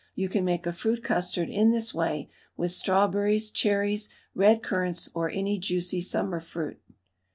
You can make a fruit custard in this way, with strawberries, cherries, red currants, or any juicy summer fruit.